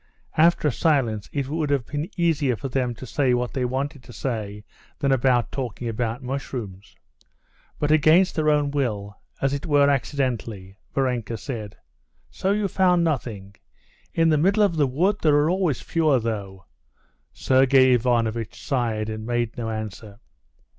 After a silence it would have been easier for them to say what they wanted to say than after talking about mushrooms. But against her own will, as it were accidentally, Varenka said: "So you found nothing? In the middle of the wood there are always fewer, though." Sergey Ivanovitch sighed and made no answer.